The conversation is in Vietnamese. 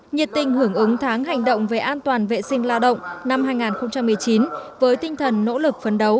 nhiệt tình hưởng ứng tháng hành động về an toàn vệ sinh lao động năm hai nghìn một mươi chín với tinh thần nỗ lực phấn đấu